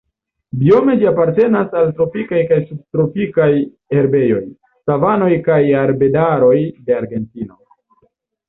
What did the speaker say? Biome ĝi apartenas al tropikaj kaj subtropikaj herbejoj, savanoj kaj arbedaroj de Argentino.